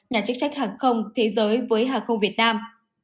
nhà chức trách hàng không thế giới với hàng không việt nam